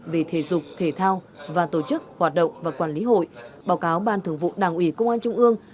về thể dục thể thao và tổ chức hoạt động và quản lý hội báo cáo ban thường vụ đảng ủy công an trung ương